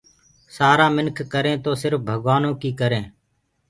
سآرآ منک ڪر تو سِرڦ ڀگوآنو ڪي ڪري۔